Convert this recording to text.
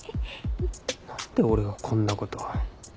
何で俺がこんなこと。